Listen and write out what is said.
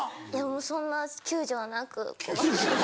そんな救助はなくこう。